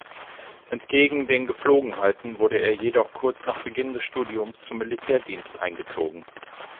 Entgegen den Gepflogenheiten wurde er jedoch kurz nach Beginn des Studiums zum Militärdienst eingezogen.